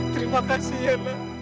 terima kasih nenek